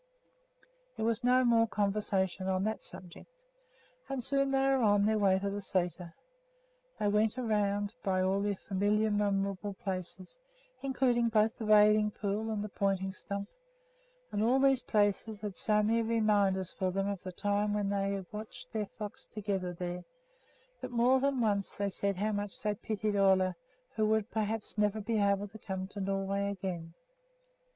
There was no more conversation on that subject, and soon they were on their way to the sæter. They went around by all the familiar, memorable places, including both the bathing pond and Pointing Stump; and all these places had so many reminders for them of the time when they watched their flocks together there, that more than once they said how much they pitied Ole, who would perhaps never be able to come to Norway again.